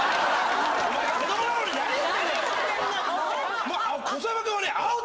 お前子どもなのに何言ってるんだよ！